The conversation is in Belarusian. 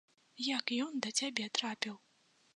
Як ён да цябе трапіў?